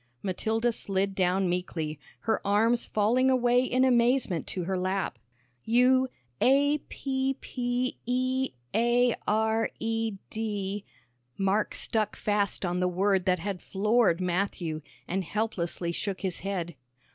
Matilda slid down meekly, her arms falling away in amazement to her lap. "'You a p p e a r e d '" Mark stuck fast on the word that had floored Matthew, and helplessly shook his head.